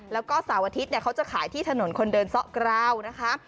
แล้วก็เสาร์อาทิตย์เขาจะขายที่ถนนคนเดินซะกราวนะคะ